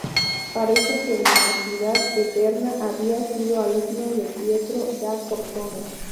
Parece que en la Ciudad Eterna había sido alumno de Pietro da Cortona.